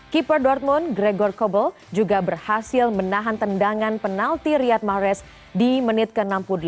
keeper dortmund gregor kobel juga berhasil menahan tendangan penalti riyad mahrez di menit ke enam puluh delapan